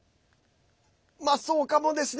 そうかもですね。